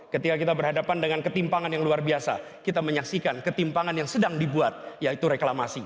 ketika kita berhadapan dengan ketimpangan yang luar biasa kita menyaksikan ketimpangan yang sedang dibuat yaitu reklamasi